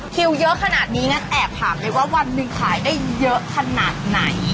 คิวเยอะขนาดนี้งั้นแอบถามเลยว่าวันหนึ่งขายได้เยอะขนาดไหน